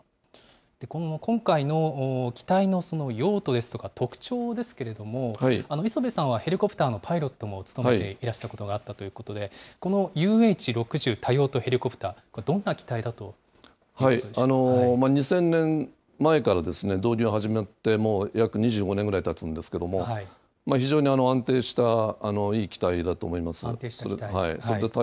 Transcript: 今回の機体の用途ですとか、特徴ですけれども、磯部さんはヘリコプターのパイロットも務めていらしたことがあったということで、このＵＨ６０多用途ヘリコプター、どんな機体だということで２０００年前から導入始まって、約２５年ぐらいたつんですけれども、非常に安定したいい機体安定した機体？